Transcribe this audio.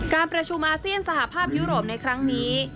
การประชุมอาเซียนสหภาพยุโรปในครั้งนี้